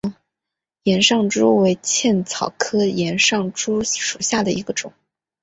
岩上珠为茜草科岩上珠属下的一个种。